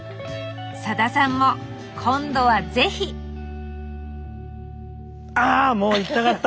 さださんも今度は是非あもう行きたかった！